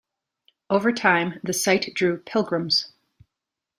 Over time the site drew pilgrims.